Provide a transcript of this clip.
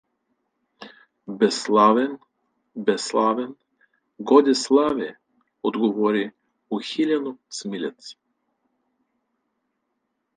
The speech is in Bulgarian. — Без „славен“, без „славен“, Годеславе — отговори ухилено Смилец.